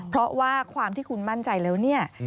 เพราะว่าความที่คุณมั่นใจแล้วเนี่ย